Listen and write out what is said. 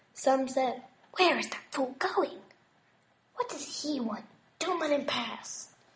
Some said, "Where is that fool going? What does he want? Don't let him pass."